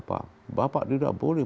pak ahok tidak boleh